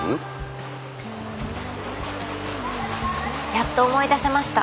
やっと思い出せました。